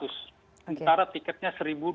sementara tiketnya satu dua ratus